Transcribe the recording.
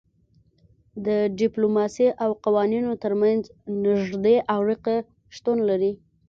د ډیپلوماسي او قوانینو ترمنځ نږدې اړیکه شتون لري